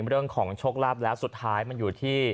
เรื่องของโชคลาภแล้วสุดท้ายมันอยู่ที่